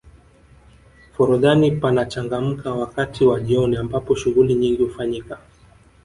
forodhani panachangamka wakati wa jioni ambapo shughuli nyingi hufanyika